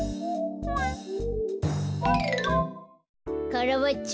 カラバッチョ